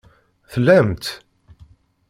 Tellamt?